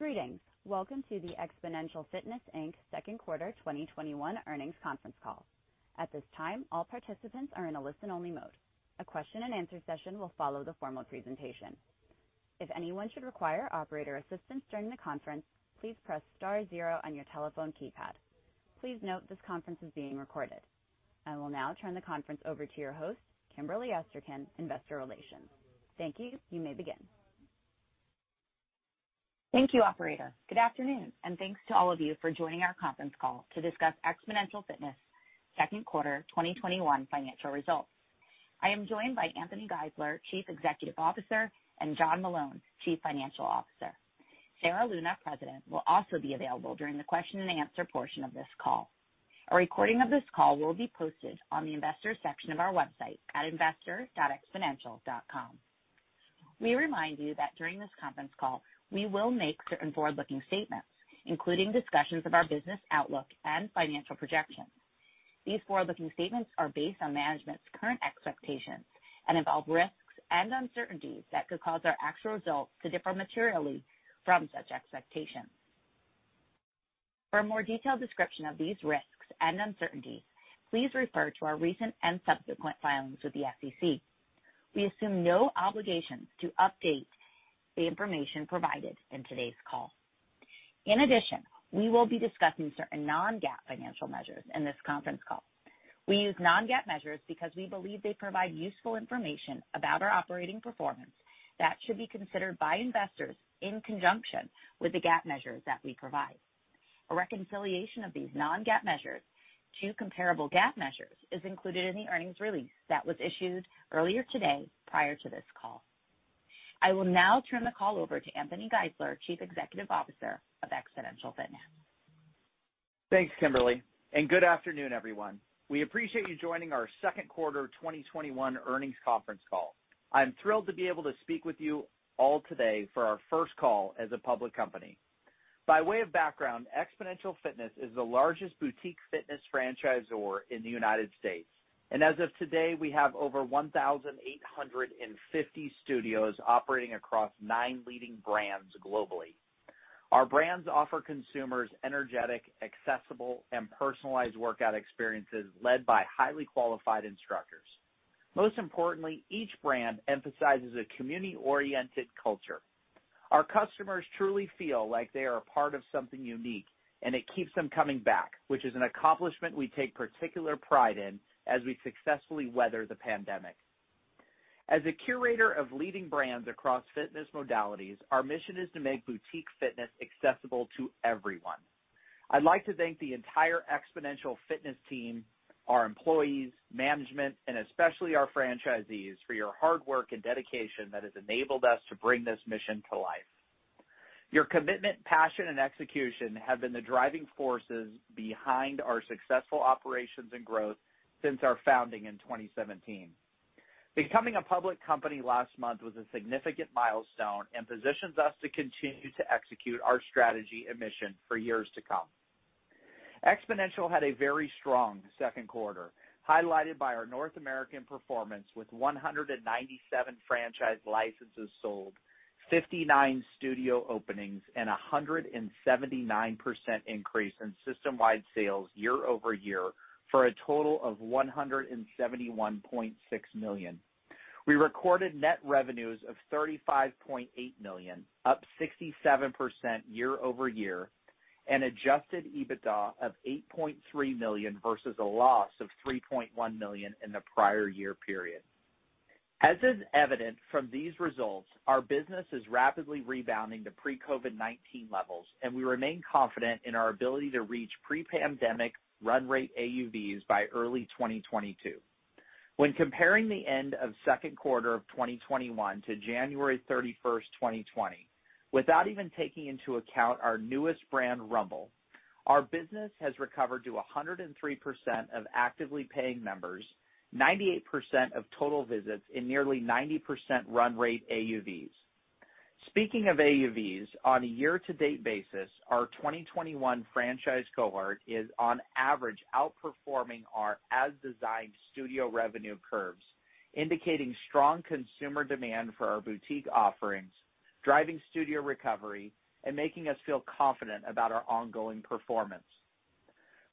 Greetings. Welcome to the Xponential Fitness, Inc. second quarter 2021 earnings conference call. At this time, all participants are in a listen-only mode. A question and answer session will follow the formal presentation. If anyone should require operator assistance during the conference, please press star zero on your telephone keypad. Please note this conference is being recorded. I will now turn the conference over to your host, Kimberly Esterkin, Investor Relations. Thank you. You may begin. Thank you, operator. Good afternoon, and thanks to all of you for joining our conference call to discuss Xponential Fitness' second quarter 2021 financial results. I am joined by Anthony Geisler, Chief Executive Officer, and John Meloun, Chief Financial Officer. Sarah Luna, President, will also be available during the question and answer portion of this call. A recording of this call will be posted on the investors section of our website at investor.xponential.com. We remind you that during this conference call, we will make certain forward-looking statements, including discussions of our business outlook and financial projections. These forward-looking statements are based on management's current expectations and involve risks and uncertainties that could cause our actual results to differ materially from such expectations. For a more detailed description of these risks and uncertainties, please refer to our recent and subsequent filings with the SEC. We assume no obligations to update the information provided in today's call. We will be discussing certain non-GAAP financial measures in this conference call. We use non-GAAP measures because we believe they provide useful information about our operating performance that should be considered by investors in conjunction with the GAAP measures that we provide. A reconciliation of these non-GAAP measures to comparable GAAP measures is included in the earnings release that was issued earlier today prior to this call. I will now turn the call over to Anthony Geisler, Chief Executive Officer of Xponential Fitness. Thanks, Kimberly. Good afternoon, everyone. We appreciate you joining our second quarter 2021 earnings conference call. I'm thrilled to be able to speak with you all today for our first call as a public company. By way of background, Xponential Fitness is the largest boutique fitness franchisor in the U.S. As of today, we have over 1,850 studios operating across nine leading brands globally. Our brands offer consumers energetic, accessible, and personalized workout experiences led by highly qualified instructors. Most importantly, each brand emphasizes a community-oriented culture. Our customers truly feel like they are a part of something unique, and it keeps them coming back, which is an accomplishment we take particular pride in as we successfully weather the pandemic. As a curator of leading brands across fitness modalities, our mission is to make boutique fitness accessible to everyone. I'd like to thank the entire Xponential Fitness team, our employees, management, and especially our franchisees for your hard work and dedication that has enabled us to bring this mission to life. Your commitment, passion, and execution have been the driving forces behind our successful operations and growth since our founding in 2017. Becoming a public company last month was a significant milestone and positions us to continue to execute our strategy and mission for years to come. Xponential had a very strong second quarter, highlighted by our North American performance, with 197 franchise licenses sold, 59 studio openings, and 179% increase in system-wide sales year-over-year for a total of $171.6 million. We recorded net revenues of $35.8 million, up 67% year-over-year, and adjusted EBITDA of $8.3 million versus a loss of $3.1 million in the prior year period. As is evident from these results, our business is rapidly rebounding to pre-COVID-19 levels, and we remain confident in our ability to reach pre-pandemic run rate AUVs by early 2022. When comparing the end of second quarter of 2021 to January 31st, 2020, without even taking into account our newest brand, Rumble, our business has recovered to 103% of actively paying members, 98% of total visits, and nearly 90% run rate AUVs. Speaking of AUVs, on a year-to-date basis, our 2021 franchise cohort is, on average, outperforming our as-designed studio revenue curves, indicating strong consumer demand for our boutique offerings, driving studio recovery, and making us feel confident about our ongoing performance.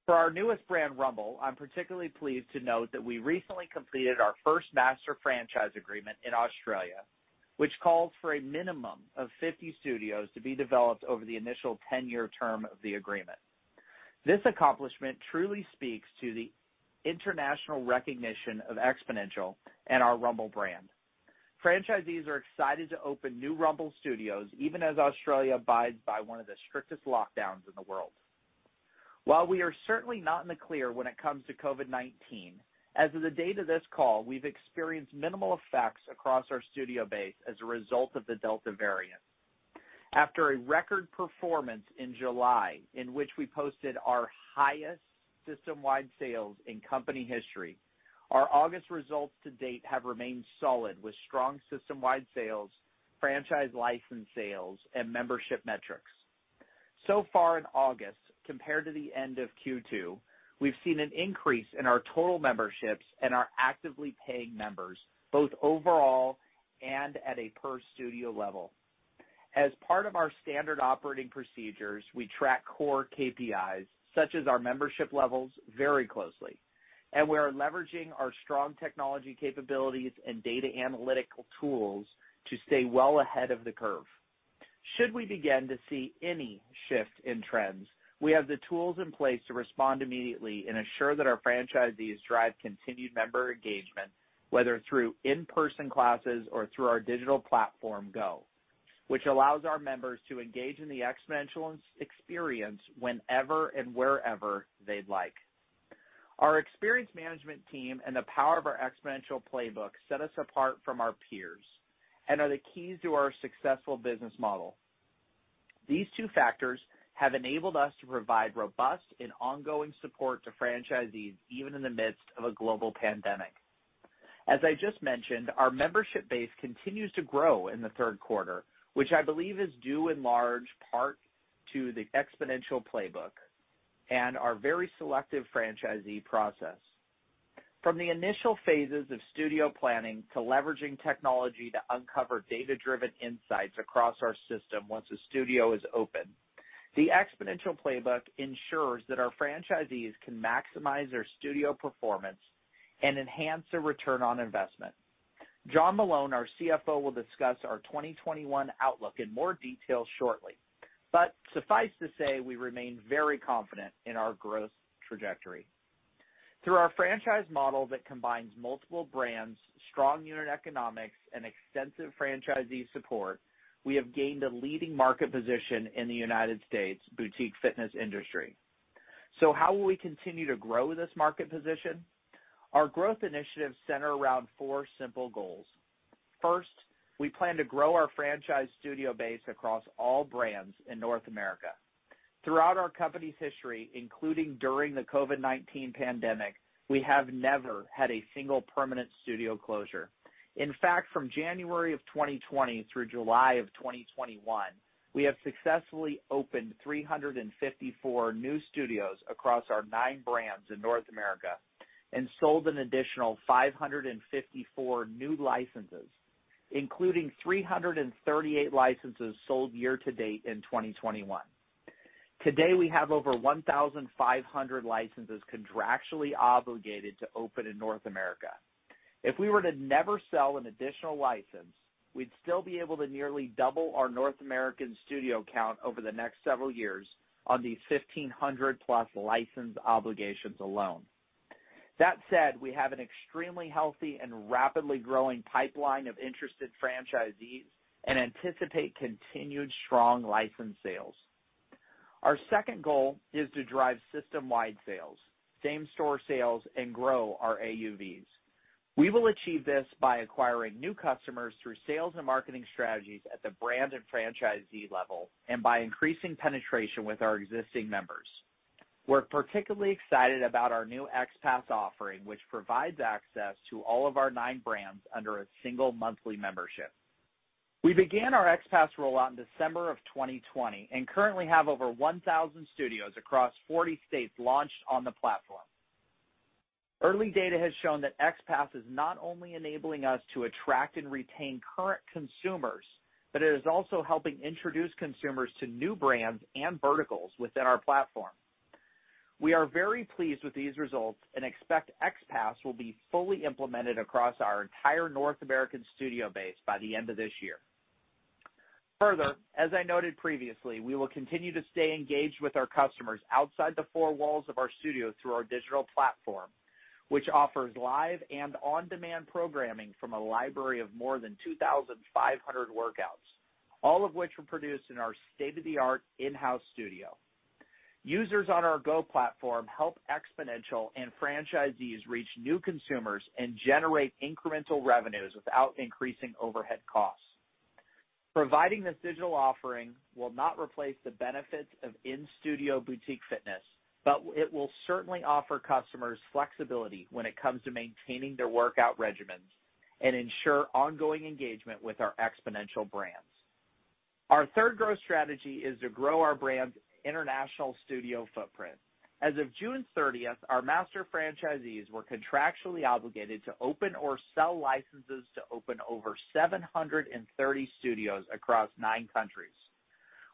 For our newest brand, Rumble, I'm particularly pleased to note that we recently completed our first master franchise agreement in Australia, which calls for a minimum of 50 studios to be developed over the initial 10-year term of the agreement. This accomplishment truly speaks to the international recognition of Xponential and our Rumble brand. Franchisees are excited to open new Rumble studios, even as Australia abides by one of the strictest lockdowns in the world. We are certainly not in the clear when it comes to COVID-19, as of the date of this call, we've experienced minimal effects across our studio base as a result of the Delta variant. After a record performance in July, in which we posted our highest system-wide sales in company history, our August results to date have remained solid, with strong system-wide sales, franchise license sales, and membership metrics. So far in August, compared to the end of Q2, we've seen an increase in our total memberships and our actively paying members, both overall and at a per-studio level. As part of our standard operating procedures, we track core KPIs, such as our membership levels, very closely, and we are leveraging our strong technology capabilities and data analytical tools to stay well ahead of the curve. Should we begin to see any shift in trends, we have the tools in place to respond immediately and assure that our franchisees drive continued member engagement, whether through in-person classes or through our digital platform, GO, which allows our members to engage in the Xponential experience whenever and wherever they'd like. Our experience management team and the power of our Xponential playbook set us apart from our peers and are the keys to our successful business model. These two factors have enabled us to provide robust and ongoing support to franchisees, even in the midst of a global pandemic. As I just mentioned, our membership base continues to grow in the third quarter, which I believe is due in large part to the Xponential playbook and our very selective franchisee process. From the initial phases of studio planning to leveraging technology to uncover data-driven insights across our system once a studio is open, the Xponential playbook ensures that our franchisees can maximize their studio performance and enhance their return on investment. John Meloun, our CFO, will discuss our 2021 outlook in more detail shortly, but suffice to say, we remain very confident in our growth trajectory. Through our franchise model that combines multiple brands, strong unit economics, and extensive franchisee support, we have gained a leading market position in the U.S. boutique fitness industry. How will we continue to grow this market position? Our growth initiatives center around four simple goals. First, we plan to grow our franchise studio base across all brands in North America. Throughout our company's history, including during the COVID-19 pandemic, we have never had a single permanent studio closure. In fact, from January of 2020 through July of 2021, we have successfully opened 354 new studios across our nine brands in North America and sold an additional 554 new licenses, including 338 licenses sold year-to-date in 2021. Today, we have over 1,500 licenses contractually obligated to open in North America. If we were to never sell an additional license, we'd still be able to nearly double our North American studio count over the next several years on these 1,500-plus license obligations alone. That said, we have an extremely healthy and rapidly growing pipeline of interested franchisees and anticipate continued strong license sales. Our second goal is to drive system-wide sales, same-store sales, and grow our AUVs. We will achieve this by acquiring new customers through sales and marketing strategies at the brand and franchisee level and by increasing penetration with our existing members. We're particularly excited about our new XPASS offering, which provides access to all of our nine brands under a single monthly membership. We began our XPASS rollout in December of 2020 and currently have over 1,000 studios across 40 states launched on the platform. Early data has shown that XPASS is not only enabling us to attract and retain current consumers, but it is also helping introduce consumers to new brands and verticals within our platform. We are very pleased with these results and expect XPASS will be fully implemented across our entire North American studio base by the end of this year. Further, as I noted previously, we will continue to stay engaged with our customers outside the four walls of our studio through our digital platform, which offers live and on-demand programming from a library of more than 2,500 workouts, all of which were produced in our state-of-the-art in-house studio. Users on our GO platform help Xponential and franchisees reach new consumers and generate incremental revenues without increasing overhead costs. Providing this digital offering will not replace the benefits of in-studio boutique fitness, but it will certainly offer customers flexibility when it comes to maintaining their workout regimens and ensure ongoing engagement with our Xponential brands. Our third growth strategy is to grow our brand's international studio footprint. As of June 30th, our master franchisees were contractually obligated to open or sell licenses to open over 730 studios across nine countries.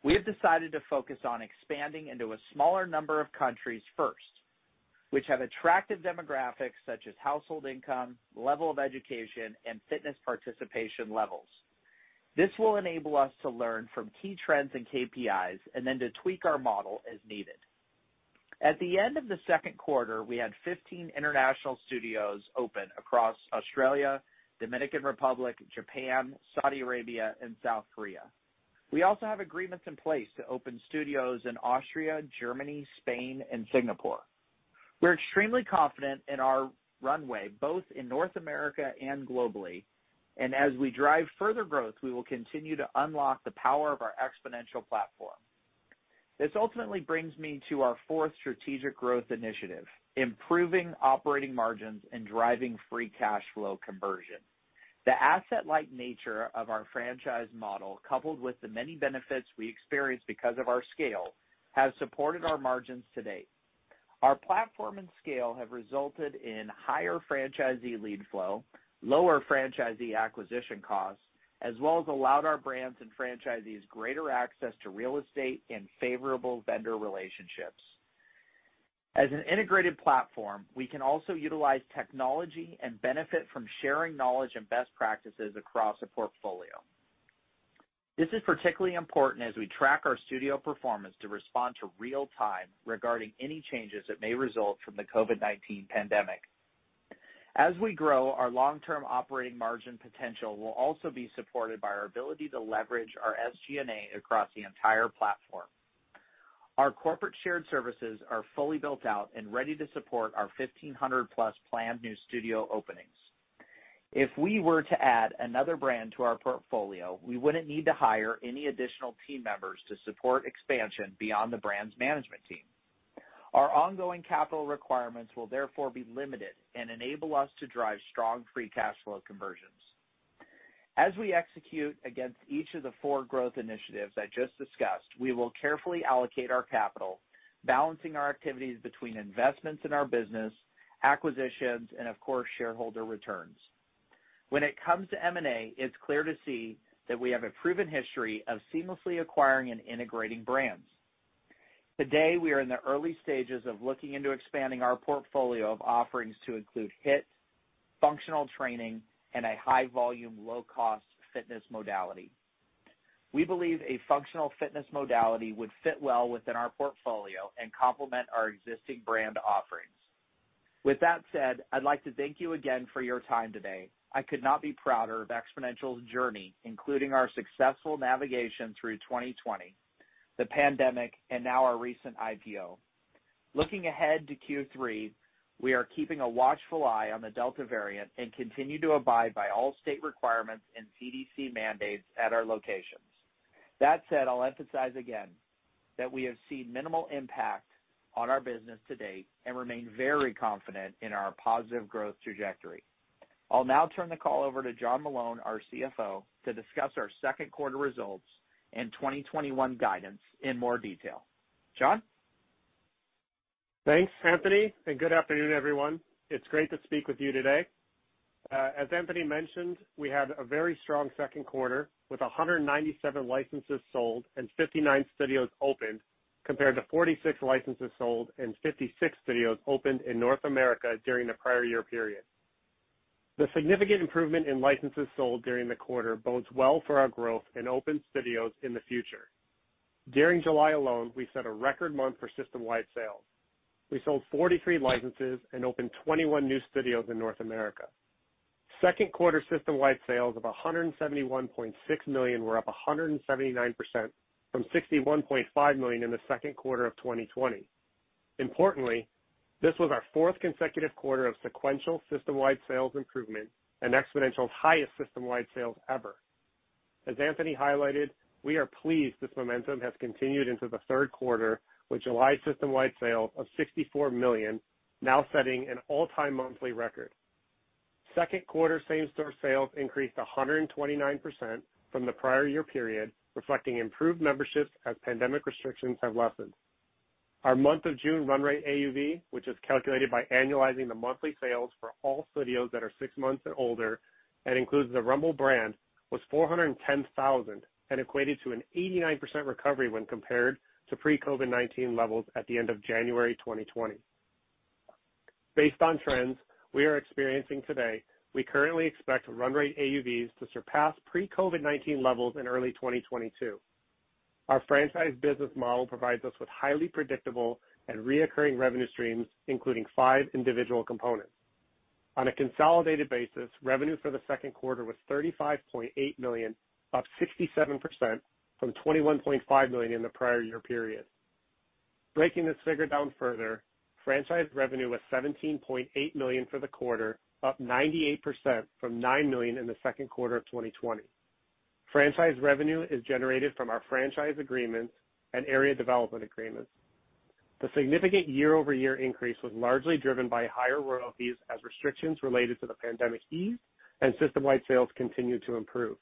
We have decided to focus on expanding into a smaller number of countries first, which have attractive demographics such as household income, level of education, and fitness participation levels. This will enable us to learn from key trends and KPIs and then to tweak our model as needed. At the end of the second quarter, we had 15 international studios open across Australia, Dominican Republic, Japan, Saudi Arabia, and South Korea. We also have agreements in place to open studios in Austria, Germany, Spain, and Singapore. We're extremely confident in our runway, both in North America and globally, and as we drive further growth, we will continue to unlock the power of our Xponential platform. This ultimately brings me to our fourth strategic growth initiative, improving operating margins and driving free cash flow conversion. The asset-light nature of our franchise model, coupled with the many benefits we experience because of our scale, has supported our margins to date. Our platform and scale have resulted in higher franchisee lead flow, lower franchisee acquisition costs, as well as allowed our brands and franchisees greater access to real estate and favorable vendor relationships. As an integrated platform, we can also utilize technology and benefit from sharing knowledge and best practices across the portfolio. This is particularly important as we track our studio performance to respond to real time regarding any changes that may result from the COVID-19 pandemic. As we grow, our long-term operating margin potential will also be supported by our ability to leverage our SG&A across the entire platform. Our corporate shared services are fully built out and ready to support our 1,500-plus planned new studio openings. If we were to add another brand to our portfolio, we wouldn't need to hire any additional team members to support expansion beyond the brands management team. Our ongoing capital requirements will therefore be limited and enable us to drive strong free cash flow conversions. As we execute against each of the four growth initiatives I just discussed, we will carefully allocate our capital, balancing our activities between investments in our business, acquisitions, and of course, shareholder returns. When it comes to M&A, it's clear to see that we have a proven history of seamlessly acquiring and integrating brands. Today, we are in the early stages of looking into expanding our portfolio of offerings to include HIIT, functional training, and a high volume, low-cost fitness modality. We believe a functional fitness modality would fit well within our portfolio and complement our existing brand offerings. With that said, I'd like to thank you again for your time today. I could not be prouder of Xponential's journey, including our successful navigation through 2020, the pandemic, and now our recent IPO. Looking ahead to Q3, we are keeping a watchful eye on the Delta variant and continue to abide by all state requirements and CDC mandates at our locations. That said, I'll emphasize again that we have seen minimal impact on our business to date and remain very confident in our positive growth trajectory. I'll now turn the call over to John Meloun, our CFO, to discuss our second quarter results and 2021 guidance in more detail. John? Thanks, Anthony, and good afternoon, everyone. It's great to speak with you today. As Anthony mentioned, we had a very strong second quarter with 197 licenses sold and 59 studios opened, compared to 46 licenses sold and 56 studios opened in North America during the prior year period. The significant improvement in licenses sold during the quarter bodes well for our growth in open studios in the future. During July alone, we set a record month for system-wide sales. We sold 43 licenses and opened 21 new studios in North America. Second quarter system-wide sales of $171.6 million were up 179% from $61.5 million in the second quarter of 2020. Importantly, this was our fourth consecutive quarter of sequential system-wide sales improvement and Xponential's highest system-wide sales ever. As Anthony highlighted, we are pleased this momentum has continued into the third quarter, with July system-wide sales of $64 million now setting an all-time monthly record. Second quarter same-store sales increased 129% from the prior year period, reflecting improved memberships as pandemic restrictions have lessened. Our month of June run rate AUV, which is calculated by annualizing the monthly sales for all studios that are six months and older and includes the Rumble brand, was $410,000 and equated to an 89% recovery when compared to pre-COVID-19 levels at the end of January 2020. Based on trends we are experiencing today, we currently expect run rate AUVs to surpass pre-COVID-19 levels in early 2022. Our franchise business model provides us with highly predictable and reoccurring revenue streams, including five individual components. On a consolidated basis, revenue for the second quarter was $35.8 million, up 67% from $21.5 million in the prior year period. Breaking this figure down further, franchise revenue was $17.8 million for the quarter, up 98% from $9 million in the second quarter of 2020. Franchise revenue is generated from our franchise agreements and area development agreements. The significant year-over-year increase was largely driven by higher royalties as restrictions related to the pandemic eased and system-wide sales continued to improve.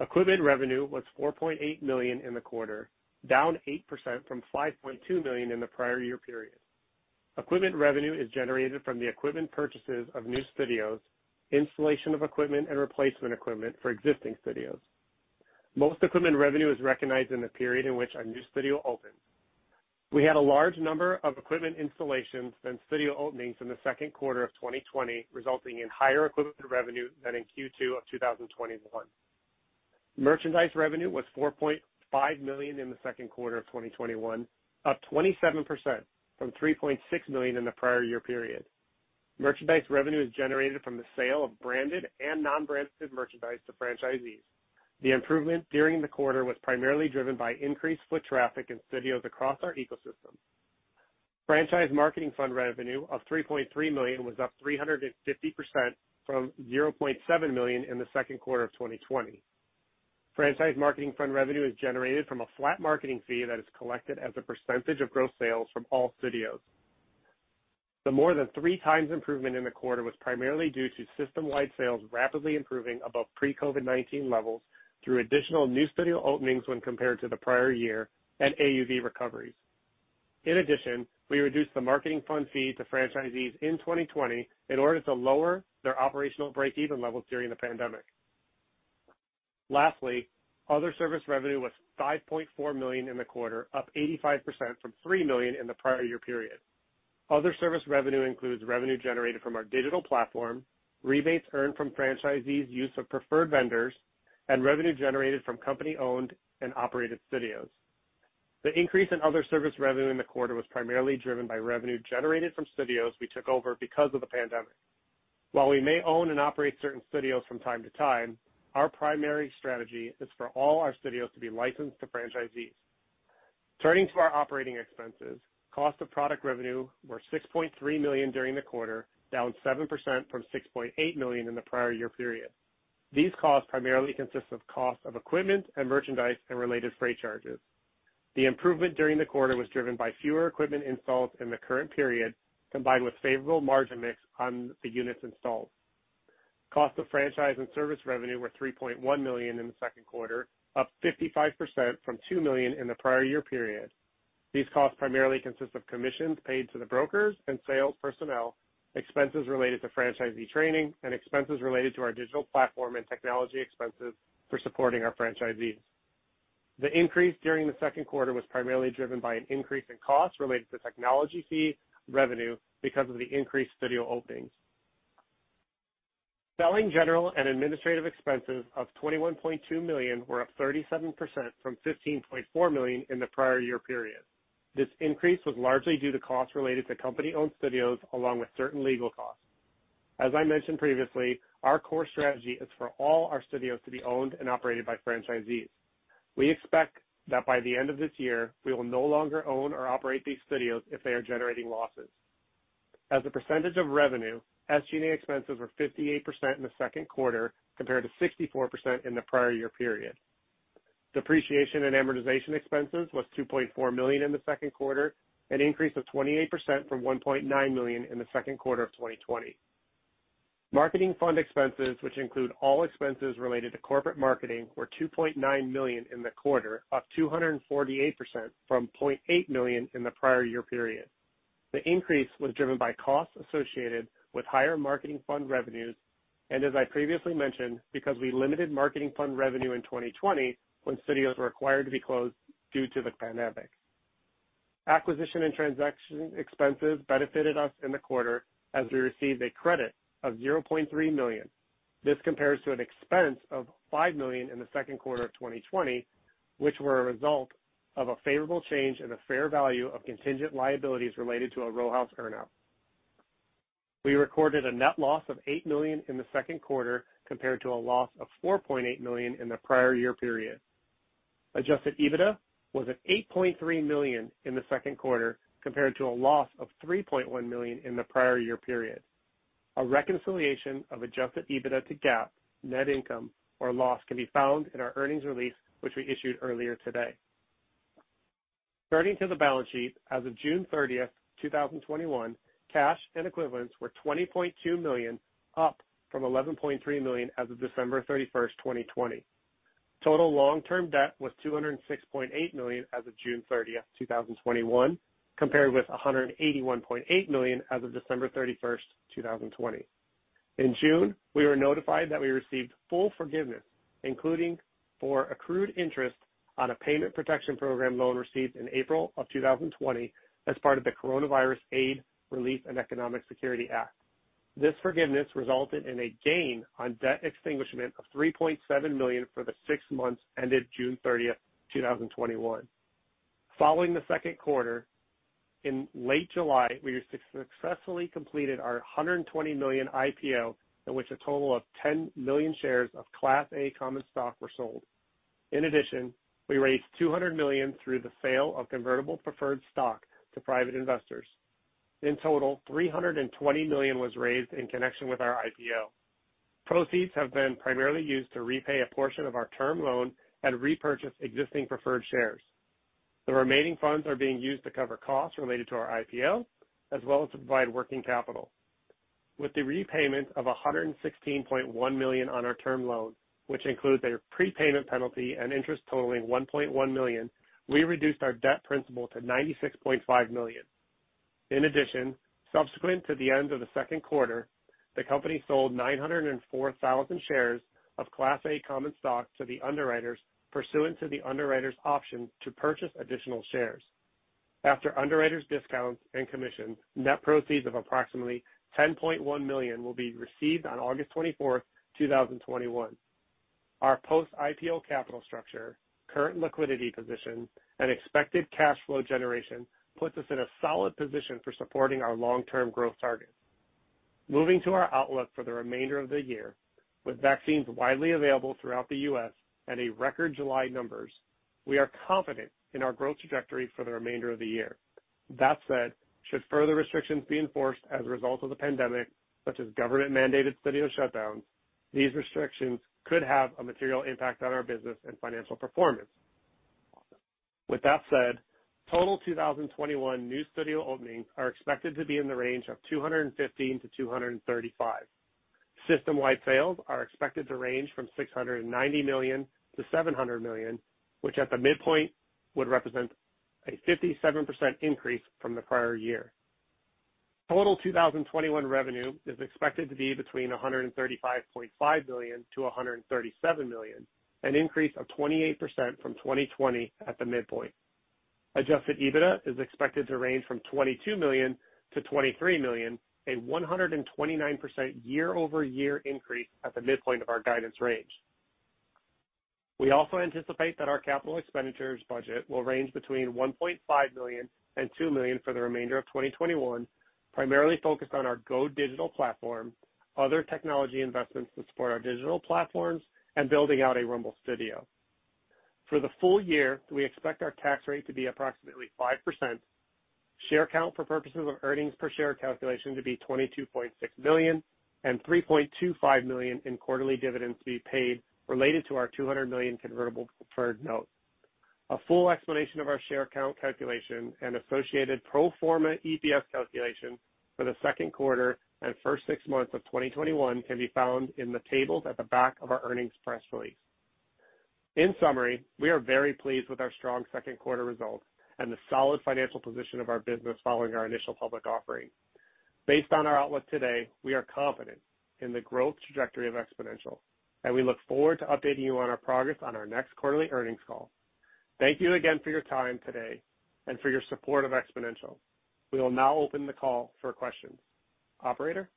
Equipment revenue was $4.8 million in the quarter, down 8% from $5.2 million in the prior year period. Equipment revenue is generated from the equipment purchases of new studios, installation of equipment, and replacement equipment for existing studios. Most equipment revenue is recognized in the period in which a new studio opens. We had a large number of equipment installations and studio openings in the second quarter of 2020, resulting in higher equipment revenue than in Q2 of 2021. Merchandise revenue was $4.5 million in the second quarter of 2021, up 27% from $3.6 million in the prior year period. Merchandise revenue is generated from the sale of branded and non-branded merchandise to franchisees. The improvement during the quarter was primarily driven by increased foot traffic in studios across our ecosystem. Franchise marketing fund revenue of $3.3 million was up 350% from $0.7 million in the second quarter of 2020. Franchise marketing fund revenue is generated from a flat marketing fee that is collected as a percentage of gross sales from all studios. The more than 3x improvement in the quarter was primarily due to system-wide sales rapidly improving above pre-COVID-19 levels through additional new studio openings when compared to the prior year and AUV recoveries. We reduced the marketing fund fee to franchisees in 2020 in order to lower their operational break-even levels during the pandemic. Other service revenue was $5.4 million in the quarter, up 85% from $3 million in the prior year period. Other service revenue includes revenue generated from our digital platform, rebates earned from franchisees' use of preferred vendors, and revenue generated from company-owned and operated studios. The increase in other service revenue in the quarter was primarily driven by revenue generated from studios we took over because of the pandemic. While we may own and operate certain studios from time to time, our primary strategy is for all our studios to be licensed to franchisees. Turning to our operating expenses, cost of product revenue were $6.3 million during the quarter, down 7% from $6.8 million in the prior year period. These costs primarily consist of cost of equipment and merchandise and related freight charges. The improvement during the quarter was driven by fewer equipment installs in the current period, combined with favorable margin mix on the units installed. Cost of franchise and service revenue were $3.1 million in the second quarter, up 55% from $2 million in the prior year period. These costs primarily consist of commissions paid to the brokers and sales personnel, expenses related to franchisee training, and expenses related to our digital platform and technology expenses for supporting our franchisees. The increase during the second quarter was primarily driven by an increase in costs related to technology fee revenue because of the increased studio openings. Selling general and administrative expenses of $21.2 million were up 37% from $15.4 million in the prior year period. This increase was largely due to costs related to company-owned studios, along with certain legal costs. As I mentioned previously, our core strategy is for all our studios to be owned and operated by franchisees. We expect that by the end of this year, we will no longer own or operate these studios if they are generating losses. As a percentage of revenue, SGA expenses were 58% in the second quarter, compared to 64% in the prior year period. Depreciation and amortization expenses was $2.4 million in the second quarter, an increase of 28% from $1.9 million in the second quarter of 2020. Marketing fund expenses, which include all expenses related to corporate marketing, were $2.9 million in the quarter, up 248% from $0.8 million in the prior year period. The increase was driven by costs associated with higher marketing fund revenues, and as I previously mentioned, because we limited marketing fund revenue in 2020 when studios were required to be closed due to the pandemic. Acquisition and transaction expenses benefited us in the quarter as we received a credit of $0.3 million. This compares to an expense of $5 million in the second quarter of 2020, which were a result of a favorable change in the fair value of contingent liabilities related to a Row House earn-out. We recorded a net loss of $8 million in the second quarter, compared to a loss of $4.8 million in the prior year period. Adjusted EBITDA was at $8.3 million in the second quarter, compared to a loss of $3.1 million in the prior year period. A reconciliation of adjusted EBITDA to GAAP net income or loss can be found in our earnings release, which we issued earlier today. Turning to the balance sheet, as of June 30th, 2021, cash and equivalents were $20.2 million, up from $11.3 million as of December 31st, 2020. Total long-term debt was $206.8 million as of June 30th, 2021, compared with $181.8 million as of December 31st, 2020. In June, we were notified that we received full forgiveness, including for accrued interest on a Paycheck Protection Program loan received in April of 2020 as part of the Coronavirus Aid, Relief, and Economic Security Act. This forgiveness resulted in a gain on debt extinguishment of $3.7 million for the six months ended June 30th, 2021. Following the second quarter, in late July, we successfully completed our $120 million IPO, in which a total of 10 million shares of Class A common stock were sold. In addition, we raised $200 million through the sale of convertible preferred stock to private investors. In total, $320 million was raised in connection with our IPO. Proceeds have been primarily used to repay a portion of our term loan and repurchase existing preferred shares. The remaining funds are being used to cover costs related to our IPO, as well as to provide working capital. With the repayment of $116.1 million on our term loan, which includes a prepayment penalty and interest totaling $1.1 million, we reduced our debt principal to $96.5 million. In addition, subsequent to the end of the second quarter, the company sold 904,000 shares of Class A common stock to the underwriters pursuant to the underwriters' option to purchase additional shares. After underwriters' discounts and commission, net proceeds of approximately $10.1 million will be received on August 24th, 2021. Our post-IPO capital structure, current liquidity position, and expected cash flow generation puts us in a solid position for supporting our long-term growth targets. Moving to our outlook for the remainder of the year, with vaccines widely available throughout the U.S. and a record July numbers, we are confident in our growth trajectory for the remainder of the year. That said, should further restrictions be enforced as a result of the pandemic, such as government-mandated studio shutdowns, these restrictions could have a material impact on our business and financial performance. With that said, total 2021 new studio openings are expected to be in the range of 215 to 235. System-wide sales are expected to range from $690-700 million, which at the midpoint would represent a 57% increase from the prior year. Total 2021 revenue is expected to be between $135.5 million and $137 million, an increase of 28% from 2020 at the midpoint. Adjusted EBITDA is expected to range from $22-23 million, a 129% year-over-year increase at the midpoint of our guidance range. We also anticipate that our capital expenditures budget will range between $1.5 million and $2 million for the remainder of 2021, primarily focused on our GO Digital platform, other technology investments to support our digital platforms, and building out a Rumble studio. For the full-year, we expect our tax rate to be approximately 5%, share count for purposes of earnings per share calculation to be 22.6 million, and $3.25 million in quarterly dividends to be paid related to our $200 million convertible preferred note. A full explanation of our share count calculation and associated pro forma EPS calculation for the second quarter and first six months of 2021 can be found in the tables at the back of our earnings press release. In summary, we are very pleased with our strong second quarter results and the solid financial position of our business following our initial public offering. Based on our outlook today, we are confident in the growth trajectory of Xponential. We look forward to updating you on our progress on our next quarterly earnings call. Thank you again for your time today and for your support of Xponential. We will now open the call for questions. Operator?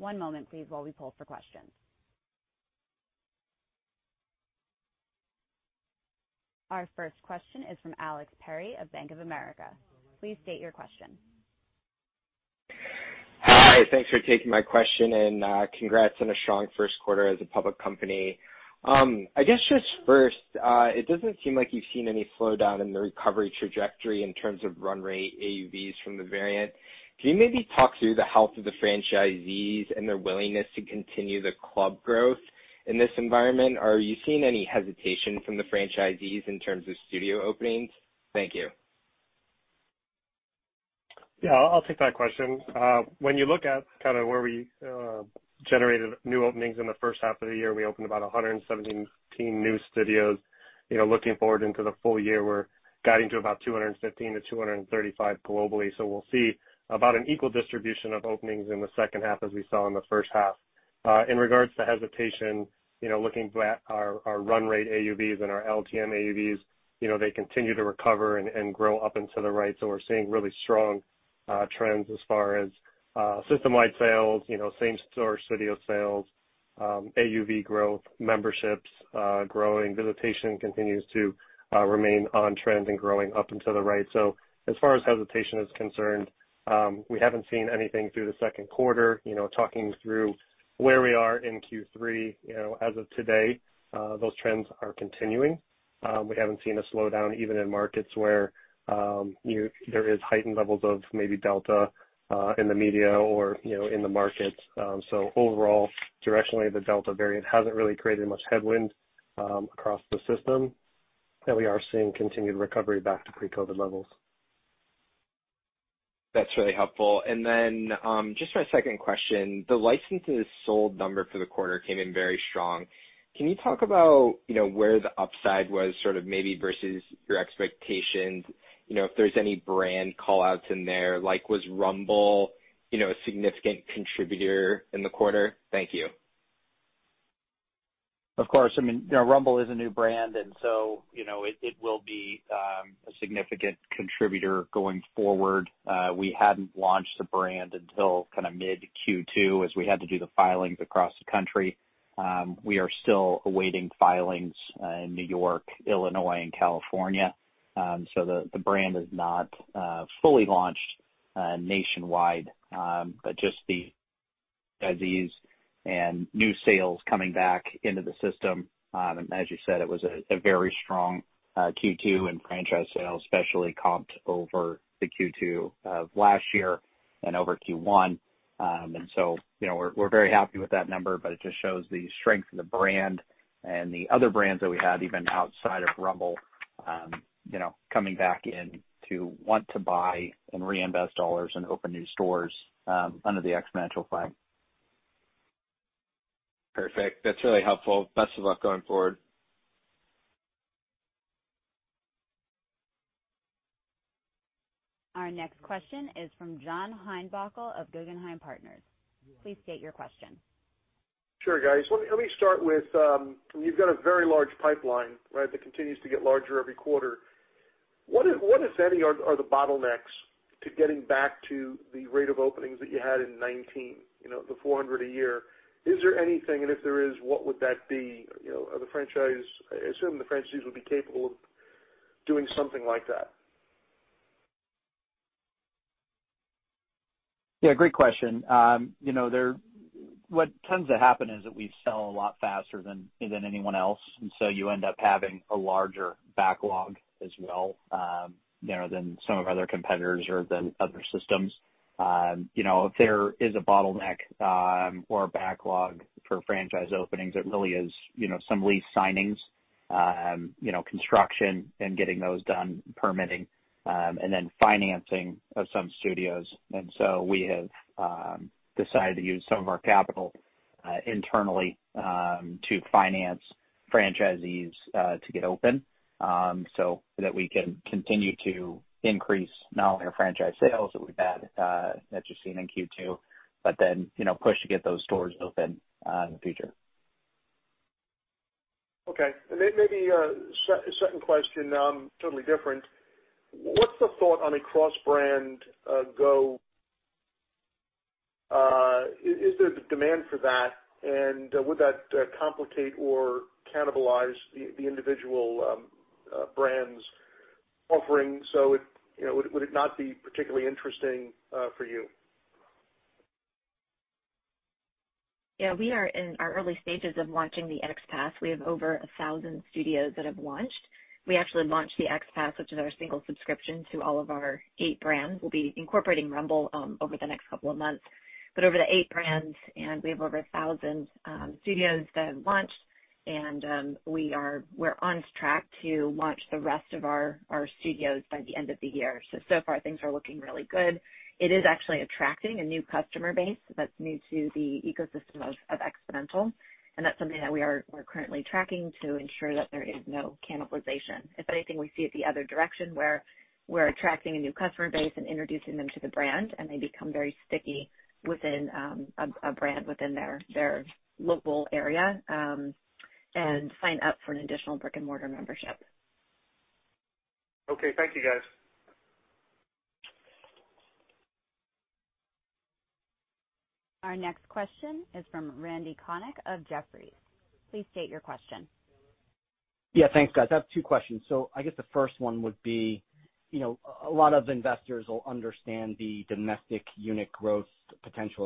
One moment, please, while we pull for questions. Our first question is from Alex Perry of Bank of America. Please state your question. Hi. Thanks for taking my question. Congrats on a strong first quarter as a public company. I guess just first, it doesn't seem like you've seen any slowdown in the recovery trajectory in terms of run rate AUVs from the variant. Can you maybe talk through the health of the franchisees and their willingness to continue the club growth in this environment? Are you seeing any hesitation from the franchisees in terms of studio openings? Thank you. I'll take that question. When you look at where we generated new openings in the first half of the year, we opened about 117 new studios. Looking forward into the full-year, we're guiding to about 215-235 globally. We'll see about an equal distribution of openings in the second half as we saw in the first half. In regards to hesitation, looking at our run rate AUVs and our LTM AUVs, they continue to recover and grow up and to the right. We're seeing really strong trends as far as system-wide sales, same-store studio sales, AUV growth, memberships growing. Visitation continues to remain on trend and growing up and to the right. As far as hesitation is concerned, we haven't seen anything through the second quarter. Talking through where we are in Q3, as of today, those trends are continuing. We haven't seen a slowdown even in markets where there is heightened levels of maybe Delta in the media or in the markets. Overall, directionally, the Delta variant hasn't really created much headwind across the system, and we are seeing continued recovery back to pre-COVID levels. That's really helpful. Then just my second question, the licenses sold number for the quarter came in very strong. Can you talk about where the upside was sort of maybe versus your expectations? If there's any brand call-outs in there, like was Rumble a significant contributor in the quarter? Thank you. Of course. Rumble is a new brand, it will be a significant contributor going forward. We hadn't launched the brand until mid Q2 as we had to do the filings across the country. We are still awaiting filings in New York, Illinois, and California. The brand is not fully launched nationwide. Just the franchisees and new sales coming back into the system, and as you said, it was a very strong Q2 in franchise sales, especially comped over the Q2 of last year and over Q1. We're very happy with that number, but it just shows the strength of the brand and the other brands that we had even outside of Rumble coming back in to want to buy and reinvest dollars and open new stores under the Xponential flag. Perfect. That's really helpful. Best of luck going forward. Our next question is from John Heinbockel of Guggenheim Partners. Please state your question. Sure, guys. Let me start with, you've got a very large pipeline, right? That continues to get larger every quarter. What, if any, are the bottlenecks to getting back to the rate of openings that you had in 2019, the 400 a year? Is there anything, and if there is, what would that be? I assume the franchisees would be capable of doing something like that. Yeah, great question. What tends to happen is that we sell a lot faster than anyone else. You end up having a larger backlog as well than some of our other competitors or than other systems. If there is a bottleneck or a backlog for franchise openings, it really is some lease signings, construction and getting those done, permitting, and then financing of some studios. We have decided to use some of our capital internally, to finance franchisees to get open, so that we can continue to increase not only our franchise sales that we've had, that you've seen in Q2, push to get those stores open in the future. Okay. Maybe a second question, totally different. What's the thought on a cross-brand GO? Is there the demand for that? Would that complicate or cannibalize the individual brands' offerings? Would it not be particularly interesting for you? Yeah. We are in our early stages of launching the XPASS. We have over 1,000 studios that have launched. We actually launched the XPASS, which is our single subscription to all of our eight brands. We'll be incorporating Rumble over the next couple of months. Over the eight brands, and we have over 1,000 studios that have launched. We're on track to launch the rest of our studios by the end of the year. So far things are looking really good. It is actually attracting a new customer base that's new to the ecosystem of Xponential, and that's something that we're currently tracking to ensure that there is no cannibalization. If anything, we see it the other direction, where we're attracting a new customer base and introducing them to the brand, and they become very sticky within a brand within their local area, and sign up for an additional brick and mortar membership. Okay. Thank you, guys. Our next question is from Randal Konik of Jefferies. Please state your question. Thanks, guys. I have two questions. I guess the first one would be, a lot of investors will understand the domestic unit growth potential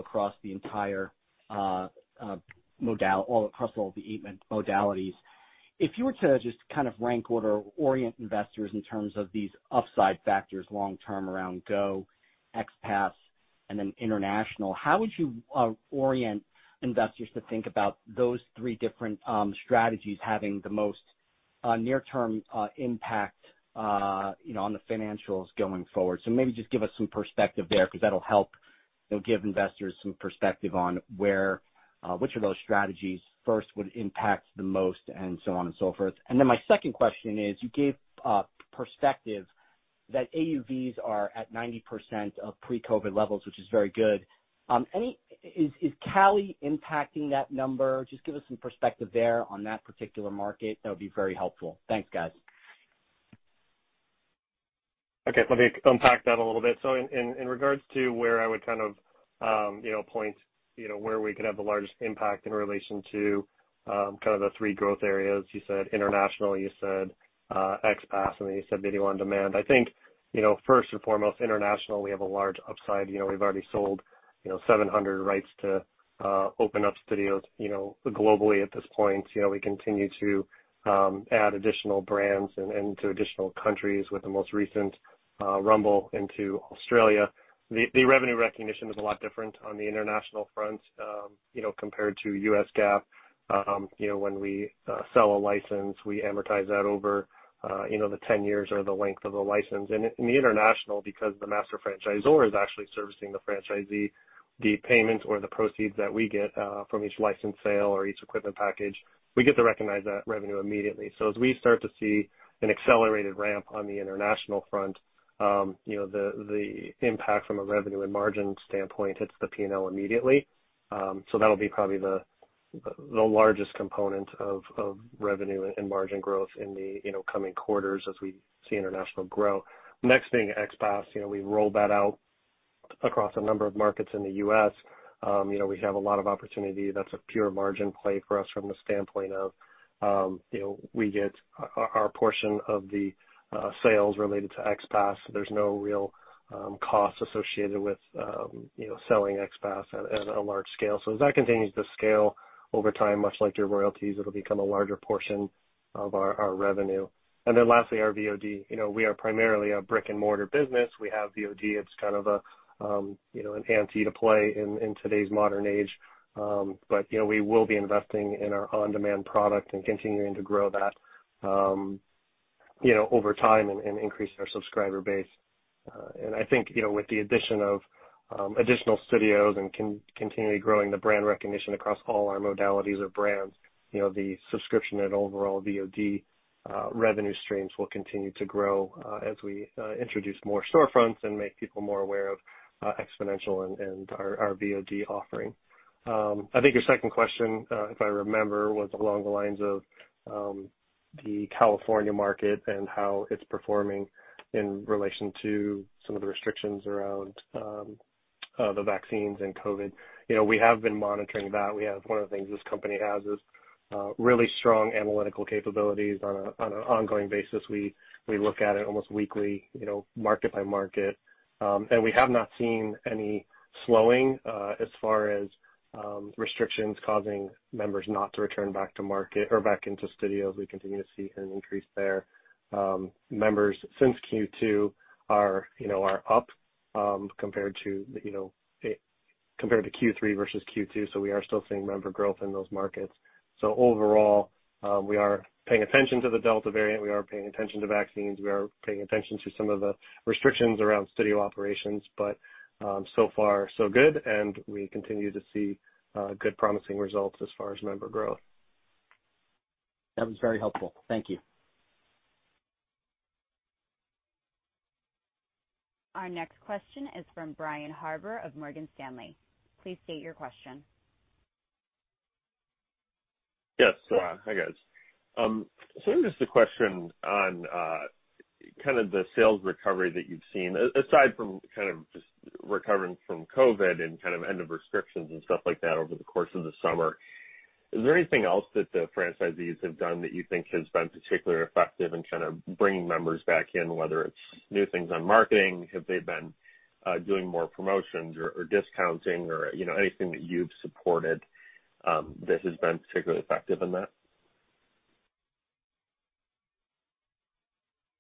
across all the eight modalities. If you were to just kind of rank order orient investors in terms of these upside factors long-term around GO, XPASS, and then international, how would you orient investors to think about those three different strategies having the most near-term impact on the financials going forward? Maybe just give us some perspective there, because that'll help give investors some perspective on which of those strategies first would impact the most, and so on and so forth. My second question is, you gave perspective that AUVs are at 90% of pre-COVID levels, which is very good. Is California impacting that number? Just give us some perspective there on that particular market. That would be very helpful. Thanks, guys. Okay. Let me unpack that a little bit. In regards to where I would point where we could have the largest impact in relation to kind of the three growth areas, you said international, you said XPASS, and then you said video on demand. I think first and foremost, international, we have a large upside. We've already sold 700 rights to open up studios globally at this point. We continue to add additional brands and to additional countries with the most recent Rumble into Australia. The revenue recognition is a lot different on the international front compared to U.S. GAAP. When we sell a license, we amortize that over the 10 years or the length of the license. In the international, because the master franchisor is actually servicing the franchisee, the payment or the proceeds that we get from each license sale or each equipment package, we get to recognize that revenue immediately. As we start to see an accelerated ramp on the international front, the impact from a revenue and margin standpoint hits the P&L immediately. That'll be probably the largest component of revenue and margin growth in the coming quarters as we see international grow. Next thing, XPASS, we roll that out across a number of markets in the U.S. We have a lot of opportunity. That's a pure margin play for us from the standpoint of, we get our portion of the sales related to XPASS. There's no real cost associated with selling XPASS at a large scale. As that continues to scale over time, much like your royalties, it'll become a larger portion of our revenue. Lastly, our VOD. We are primarily a brick and mortar business. We have VOD. It's kind of an ante to play in today's modern age. We will be investing in our on-demand product and continuing to grow that over time and increase our subscriber base. I think, with the addition of additional studios and continually growing the brand recognition across all our modalities or brands, the subscription and overall VOD revenue streams will continue to grow as we introduce more storefronts and make people more aware of Xponential and our VOD offering. I think your second question, if I remember, was along the lines of the California market and how it's performing in relation to some of the restrictions around the vaccines and COVID. We have been monitoring that. One of the things this company has is really strong analytical capabilities on an ongoing basis. We look at it almost weekly, market by market. We have not seen any slowing as far as restrictions causing members not to return back to market or back into studios. We continue to see an increase there. Members since Q2 are up compared to Q3 versus Q2, so we are still seeing member growth in those markets. Overall, we are paying attention to the Delta variant, we are paying attention to vaccines, we are paying attention to some of the restrictions around studio operations. So far so good, and we continue to see good promising results as far as member growth. That was very helpful. Thank you. Our next question is from Brian Harbour of Morgan Stanley. Please state your question. Yes. Hi, guys. Just a question on the sales recovery that you've seen, aside from just recovering from COVID and end of restrictions and stuff like that over the course of the summer, is there anything else that the franchisees have done that you think has been particularly effective in bringing members back in, whether it's new things on marketing? Have they been doing more promotions or discounting or anything that you've supported that has been particularly effective in that?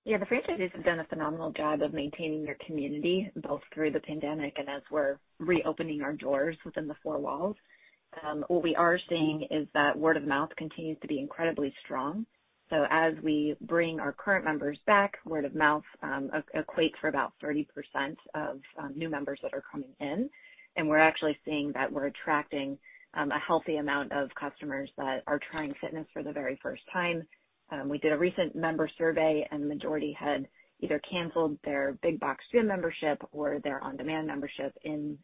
Yeah. The franchisees have done a phenomenal job of maintaining their community, both through the pandemic and as we're reopening our doors within the four walls. What we are seeing is that word of mouth continues to be incredibly strong. As we bring our current members back, word of mouth equates for about 30% of new members that are coming in. We're actually seeing that we're attracting a healthy amount of customers that are trying fitness for the very first time. We did a recent member survey, and the majority had either canceled their big box gym membership or their on-demand membership in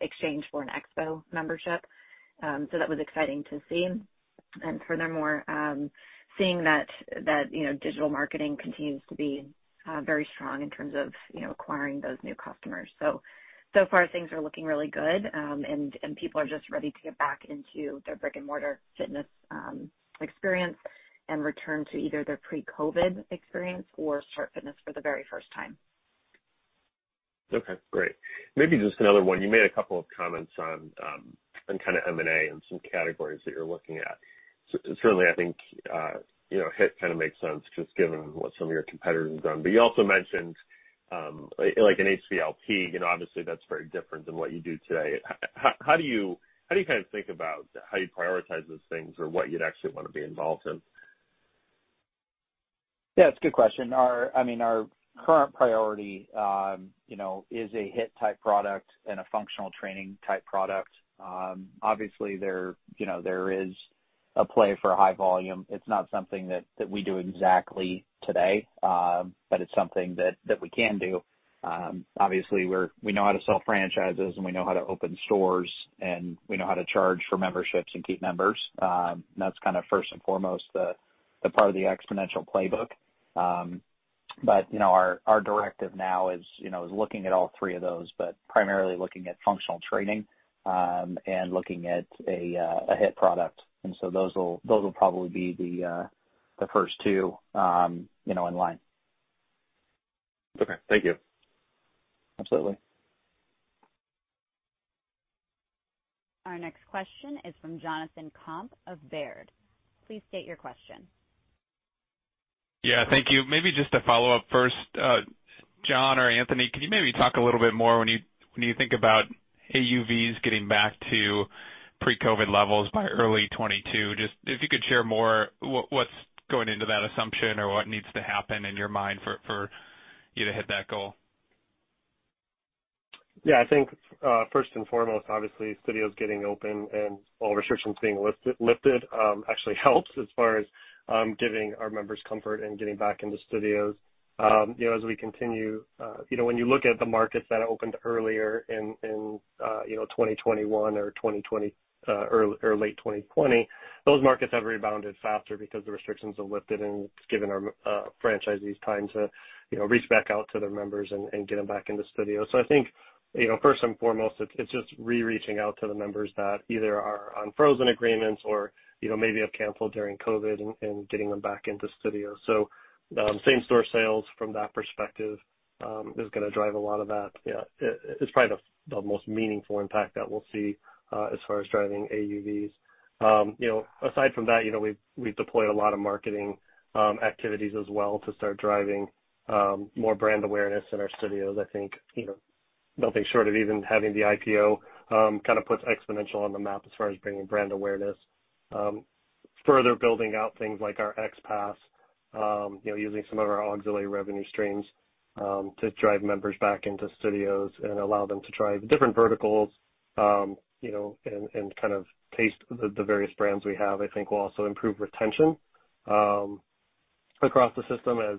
exchange for an Xponential membership. That was exciting to see. Furthermore, seeing that digital marketing continues to be very strong in terms of acquiring those new customers. So far things are looking really good. People are just ready to get back into their brick and mortar fitness experience and return to either their pre-COVID experience or start fitness for the very first time. Okay, great. Maybe just another one. You made a couple of comments on M&A and some categories that you're looking at. Certainly, I think HIIT kind of makes sense just given what some of your competitors have done. You also mentioned like an HVLP, obviously that's very different than what you do today. How do you think about how you prioritize those things or what you'd actually want to be involved in? It's a good question. Our current priority is a HIIT-type product and a functional training-type product. Obviously, there is a play for high volume. It's not something that we do exactly today, but it's something that we can do. Obviously, we know how to sell franchises and we know how to open stores, and we know how to charge for memberships and keep members. That's first and foremost the part of the Xponential playbook. Our directive now is looking at all three of those, but primarily looking at functional training, and looking at a HIIT product. Those will probably be the first two in line. Okay, thank you. Absolutely. Our next question is from Jonathan Komp of Baird. Please state your question. Yeah, thank you. Maybe just to follow up first, John or Anthony, can you maybe talk a little bit more when you think about AUVs getting back to pre-COVID levels by early 2022, just if you could share more what's going into that assumption or what needs to happen in your mind for you to hit that goal? Yeah, I think, first and foremost, obviously, studios getting open and all restrictions being lifted actually helps as far as giving our members comfort in getting back into studios. When you look at the markets that opened earlier in 2021 or late 2020, those markets have rebounded faster because the restrictions are lifted and it's given our franchisees time to reach back out to their members and get them back into studios. I think, first and foremost, it's just re-reaching out to the members that either are on frozen agreements or maybe have canceled during COVID and getting them back into studios. Same store sales from that perspective is going to drive a lot of that. It's probably the most meaningful impact that we'll see as far as driving AUVs. Aside from that, we've deployed a lot of marketing activities as well to start driving more brand awareness in our studios. I think nothing short of even having the IPO puts Xponential on the map as far as bringing brand awareness. Further building out things like our XPASS, using some of our auxiliary revenue streams to drive members back into studios and allow them to try different verticals and taste the various brands we have, I think will also improve retention across the system. As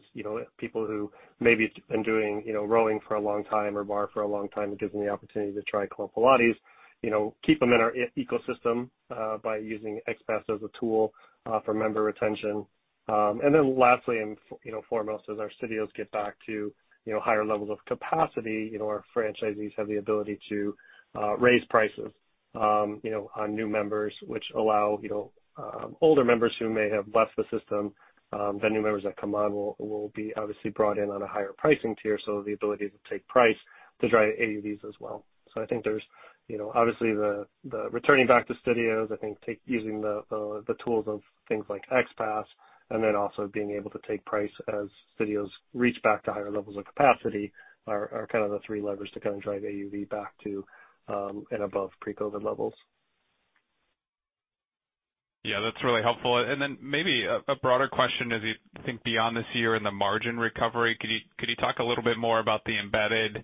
people who maybe have been doing rowing for a long time or barre for a long time, it gives them the opportunity to try Club Pilates, keep them in our ecosystem by using XPASS as a tool for member retention. Lastly and foremost, as our studios get back to higher levels of capacity, our franchisees have the ability to raise prices on new members, which allow older members who may have left the system. The new members that come on will be obviously brought in on a higher pricing tier, so the ability to take price to drive AUVs as well. I think there's obviously the returning back to studios, using the tools of things like XPASS, and then also being able to take price as studios reach back to higher levels of capacity are kind of the three levers to kind of drive AUV back to and above pre-COVID levels. Yeah, that's really helpful. Maybe a broader question, as you think beyond this year in the margin recovery, could you talk a little bit more about the embedded margin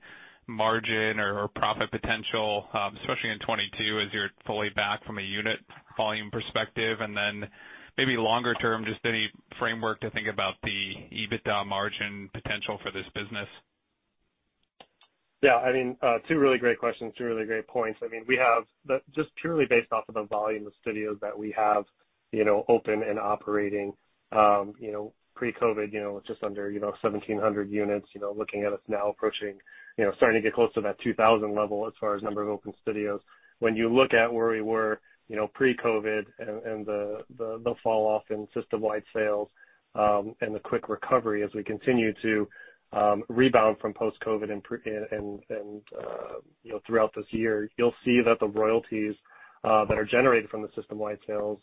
or profit potential, especially in 2022 as you're fully back from a unit volume perspective and then maybe longer term, just any framework to think about the EBITDA margin potential for this business? Yeah, two really great questions. Two really great points. Just purely based off of the volume of studios that we have open and operating pre-COVID, just under 1,700 units. Looking at us now approaching, starting to get close to that 2,000 level as far as number of open studios. When you look at where we were pre-COVID and the falloff in system-wide sales and the quick recovery as we continue to rebound from post-COVID and throughout this year. You'll see that the royalties that are generated from the system-wide sales,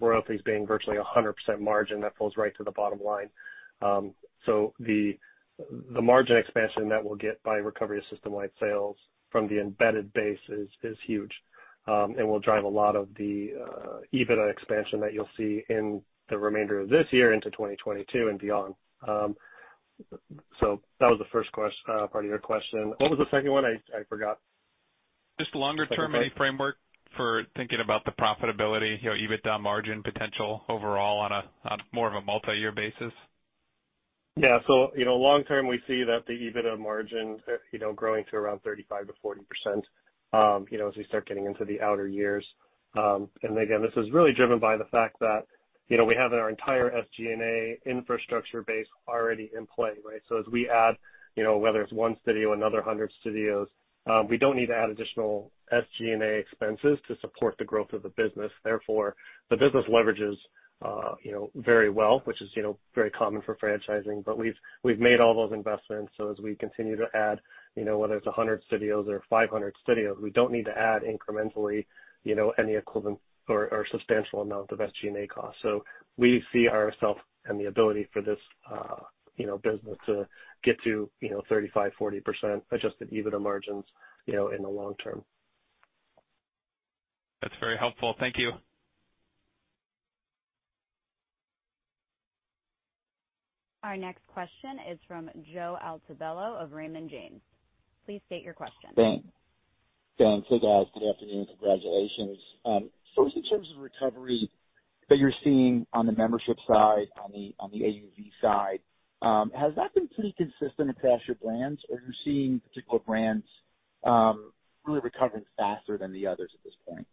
royalties being virtually 100% margin, that falls right to the bottom line. The margin expansion that we'll get by recovery of system-wide sales from the embedded base is huge. Will drive a lot of the EBITDA expansion that you'll see in the remainder of this year into 2022 and beyond. That was the first part of your question. What was the second one? I forgot. Just longer-term any framework for thinking about the profitability, EBITDA margin potential overall on more of a multi-year basis? Yeah. Long term, we see that the EBITDA margin growing to around 35%-40% as we start getting into the outer years. Again, this is really driven by the fact that we have our entire SG&A infrastructure base already in play. As we add, whether it's one studio, another 100 studios, we don't need to add additional SG&A expenses to support the growth of the business. Therefore, the business leverages very well, which is very common for franchising. We've made all those investments, so as we continue to add, whether it's 100 studios or 500 studios, we don't need to add incrementally any equivalent or substantial amount of SG&A cost. We see ourself and the ability for this business to get to 35%-40% adjusted EBITDA margins in the long term. That's very helpful. Thank you. Our next question is from Joseph Altobello of Raymond James. Please state your question. Thanks. Hey, guys. Good afternoon. Congratulations. In terms of recovery that you're seeing on the membership side, on the AUV side, has that been pretty consistent across your brands, or are you seeing particular brands really recovering faster than the others at this point?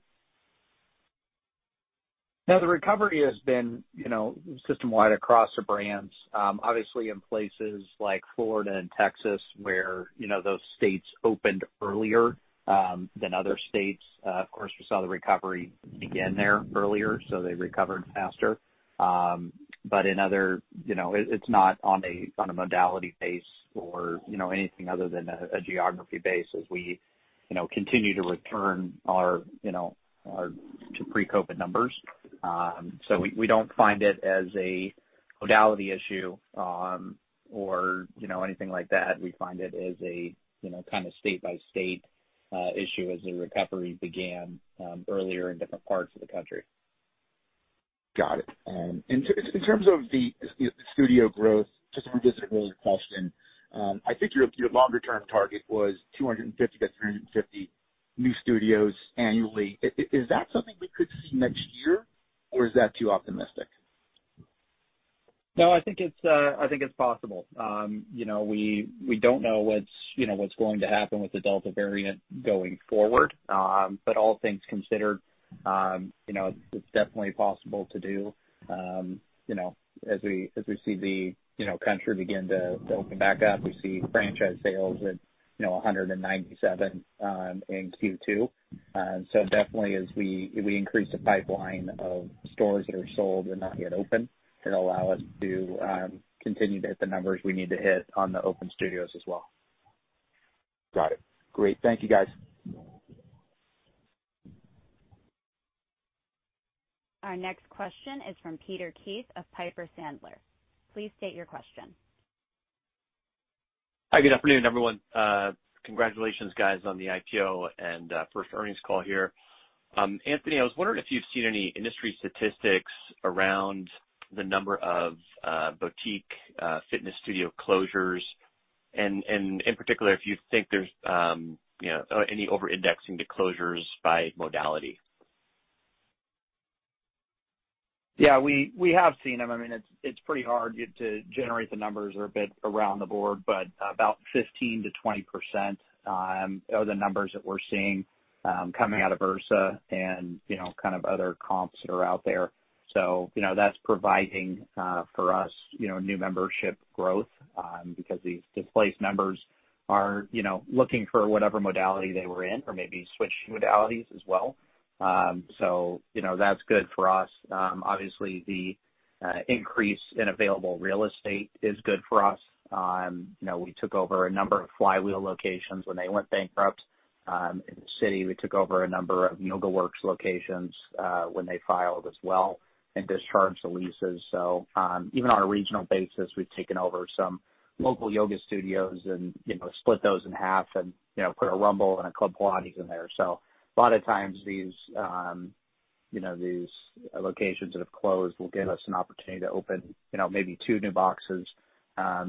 No, the recovery has been system-wide across the brands. Obviously in places like Florida and Texas, where those states opened earlier than other states. Of course, we saw the recovery begin there earlier, so they recovered faster. It's not on a modality base or anything other than a geography base as we continue to return to pre-COVID numbers. We don't find it as a modality issue or anything like that. We find it as a kind of state-by-state issue as the recovery began earlier in different parts of the country. Got it. In terms of the studio growth, just revisiting an earlier question. I think your longer-term target was 250 to 350 new studios annually. Is that something we could see next year, or is that too optimistic? No, I think it's possible. We don't know what's going to happen with the Delta variant going forward. All things considered, it's definitely possible to do as we see the country begin to open back up. We see franchise sales at 197 in Q2. Definitely as we increase the pipeline of stores that are sold and not yet open, it'll allow us to continue to hit the numbers we need to hit on the open studios as well. Got it. Great. Thank you, guys. Our next question is from Peter Keith of Piper Sandler. Please state your question. Hi, good afternoon, everyone. Congratulations guys on the IPO and first earnings call here. Anthony, I was wondering if you've seen any industry statistics around the number of boutique fitness studio closures, and in particular, if you think there's any over-indexing to closures by modality? Yeah, we have seen them. It's pretty hard to generate the numbers. They're a bit around the board, but about 15%-20% are the numbers that we're seeing coming out of IHRSA and kind of other comps that are out there. That's providing for us new membership growth because these displaced members are looking for whatever modality they were in or maybe switching modalities as well. That's good for us. Obviously, the increase in available real estate is good for us. We took over a number of Flywheel locations when they went bankrupt in the city. We took over a number of YogaWorks locations when they filed as well and discharged the leases. Even on a regional basis, we've taken over some local yoga studios and split those in half and put a Rumble and a Club Pilates in there. A lot of times, these locations that have closed will give us an opportunity to open maybe two new boxes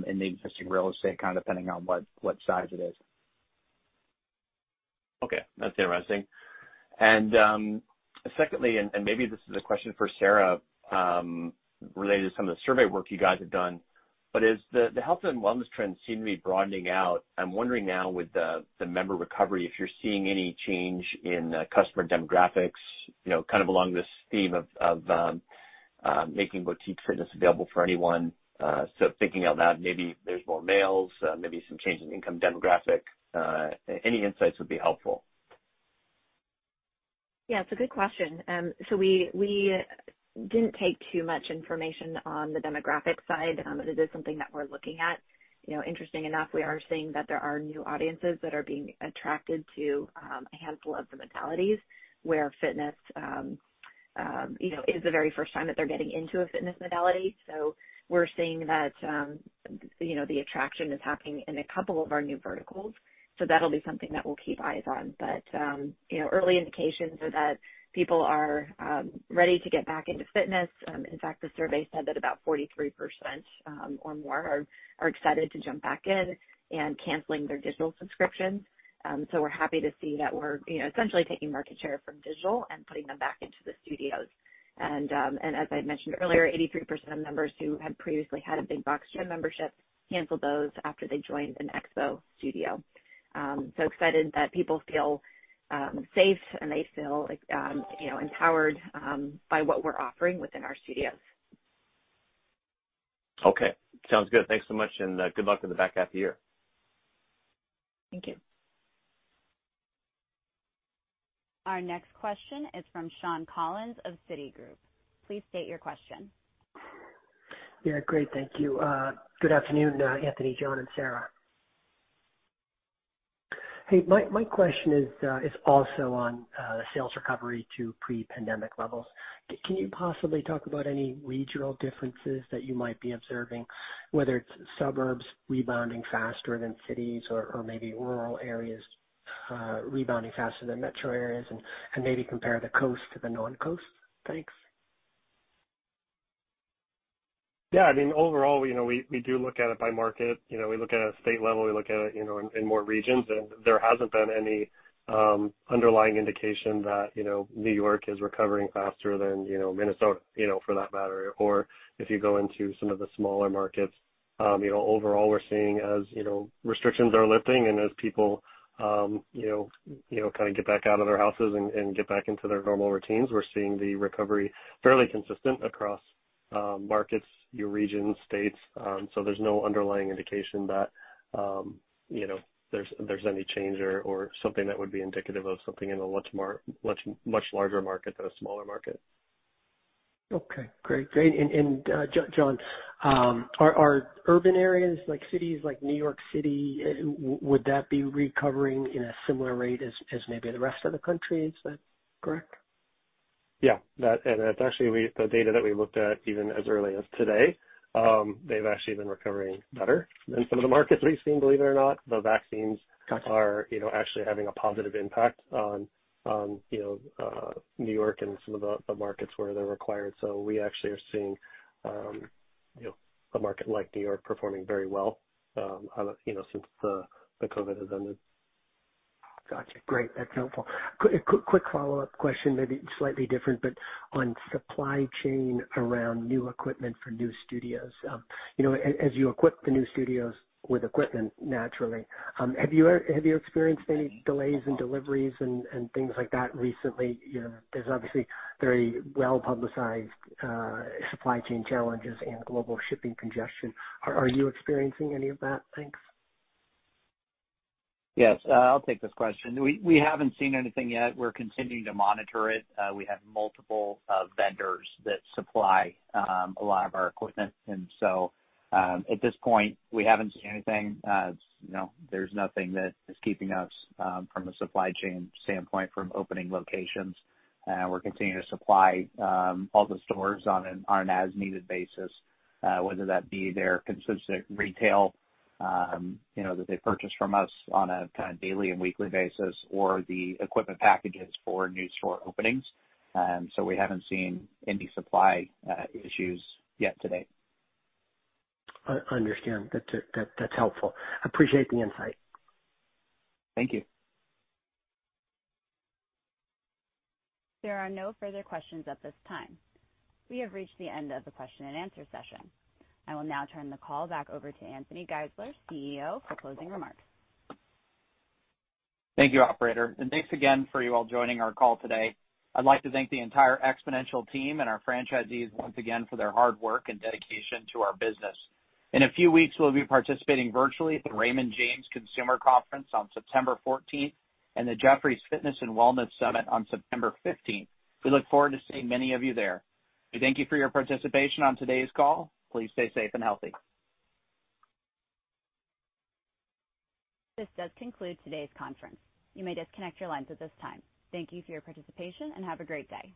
in the existing real estate, kind of depending on what size it is. Okay. That's interesting. Secondly, and maybe this is a question for Sarah, related to some of the survey work you guys have done, but as the health and wellness trends seem to be broadening out, I'm wondering now with the member recovery, if you're seeing any change in customer demographics, kind of along this theme of making boutique fitness available for anyone. Thinking out loud, maybe there's more males, maybe some change in income demographic. Any insights would be helpful. Yeah, it's a good question. We didn't take too much information on the demographic side. It is something that we're looking at. Interesting enough, we are seeing that there are new audiences that are being attracted to a handful of the modalities where fitness is the very first time that they're getting into a fitness modality. We're seeing that the attraction is happening in a couple of our new verticals. That'll be something that we'll keep eyes on. Early indications are that people are ready to get back into fitness. In fact, the survey said that about 43% or more are excited to jump back in and canceling their digital subscriptions. We're happy to see that we're essentially taking market share from digital and putting them back into the studios. As I mentioned earlier, 83% of members who had previously had a big box gym membership canceled those after they joined an XO studio. Excited that people feel safe and they feel empowered by what we're offering within our studios. Okay. Sounds good. Thanks so much, and good luck with the back half of the year. Thank you. Our next question is from Sean Collins of Citigroup. Please state your question. Yeah, great, thank you. Good afternoon, Anthony, John, and Sarah. Hey, my question is also on sales recovery to pre-pandemic levels. Can you possibly talk about any regional differences that you might be observing, whether it's suburbs rebounding faster than cities or maybe rural areas rebounding faster than metro areas, and maybe compare the coast to the non-coast? Thanks. Yeah, I mean, overall, we do look at it by market. We look at a state level, we look at it in more regions, and there hasn't been any underlying indication that New York is recovering faster than Minnesota, for that matter. If you go into some of the smaller markets. Overall, we're seeing as restrictions are lifting and as people kind of get back out of their houses and get back into their normal routines, we're seeing the recovery fairly consistent across markets, your regions, states. There's no underlying indication that there's any change or something that would be indicative of something in a much larger market than a smaller market. Okay, great. John, are urban areas like cities like New York City, would that be recovering in a similar rate as maybe the rest of the country? Is that correct? Yeah. That's actually the data that we looked at even as early as today. They've actually been recovering better than some of the markets we've seen, believe it or not. are actually having a positive impact on New York and some of the markets where they're required. We actually are seeing a market like New York performing very well since the COVID has ended. Got you. Great. That's helpful. Quick follow-up question, maybe slightly different, but on supply chain around new equipment for new studios. As you equip the new studios with equipment, naturally, have you experienced any delays in deliveries and things like that recently? There's obviously very well-publicized supply chain challenges and global shipping congestion. Are you experiencing any of that? Thanks. Yes. I'll take this question. We haven't seen anything yet. We're continuing to monitor it. We have multiple vendors that supply a lot of our equipment, and so, at this point, we haven't seen anything. There's nothing that is keeping us, from a supply chain standpoint, from opening locations. We're continuing to supply all the stores on an as-needed basis, whether that be their consistent retail that they purchase from us on a kind of daily and weekly basis or the equipment packages for new store openings. We haven't seen any supply issues yet to date. I understand. That's helpful. Appreciate the insight. Thank you. There are no further questions at this time. We have reached the end of the question-and-answer session. I will now turn the call back over to Anthony Geisler, CEO, for closing remarks. Thank you, operator. Thanks again for you all joining our call today. I'd like to thank the entire Xponential team and our franchisees once again for their hard work and dedication to our business. In a few weeks, we'll be participating virtually at the Raymond James Consumer Conference on September 14th and the Jefferies Fitness & Wellness Summit on September 15th. We look forward to seeing many of you there. We thank you for your participation on today's call. Please stay safe and healthy. This does conclude today's conference. You may disconnect your lines at this time. Thank you for your participation, and have a great day.